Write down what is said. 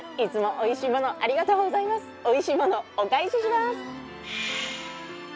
おいしいものお返しします。